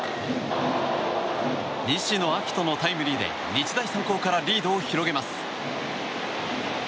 西野彰人のタイムリーで日大三高からリードを広げます。